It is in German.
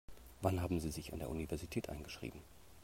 Wann haben Sie sich an der Universität eingeschrieben?